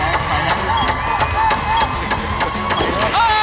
เร็ว